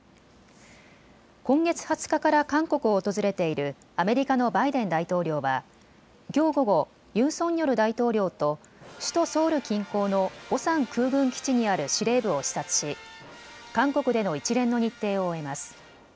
今月２０日から韓国を訪れているアメリカのバイデン大統領はきょう午後、ユン・ソンニョル大統領と首都ソウル近郊のオサン空軍基地にある司令部を視察し韓国での一連の日程を終えます。